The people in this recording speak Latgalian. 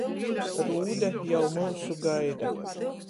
Rūde jau myusu gaida.